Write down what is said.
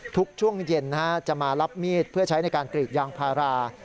ช่วงเย็นจะมารับมีดเพื่อใช้ในการกรีดยางพารา